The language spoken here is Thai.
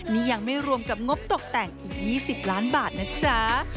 นี่ยังไม่รวมกับงบตกแต่งอีก๒๐ล้านบาทนะจ๊ะ